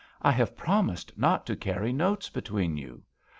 I have promised not to carry notes between you."